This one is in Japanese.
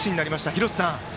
廣瀬さん